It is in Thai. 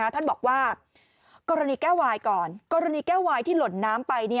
ท่านบอกว่ากรณีแก้ววายก่อนกรณีแก้ววายที่หล่นน้ำไป